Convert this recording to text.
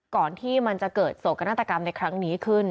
ก่อนที่มันจะเกิดโศกนาฏกรรมในครั้งนี้ขึ้น